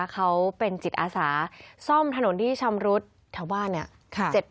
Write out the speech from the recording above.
เขาเป็นจิตอาสาซ่อมถนนที่ชำรุดแถวบ้านเนี่ย